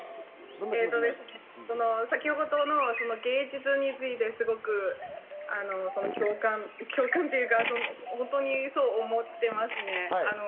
先ほどの芸術について共感というか、本当にそう思っていますね。